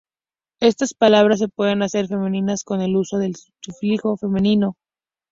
Estas palabras se pueden hacer femeninas con el uso del sufijo femenino -ino.